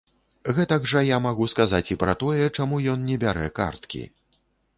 Гэтак жа я магу сказаць і пра тое, чаму ён не бярэ карткі.